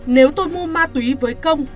nếu tôi mua ma túy với công